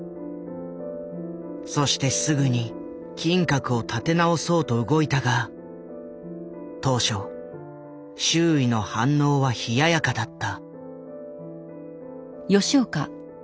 そしてすぐに金閣を建て直そうと動いたが当初周囲の反応は冷ややかだった。